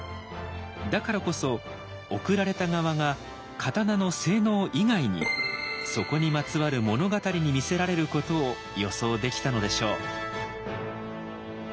だからこそ贈られた側が刀の性能以外にそこにまつわる物語に魅せられることを予想できたのでしょう。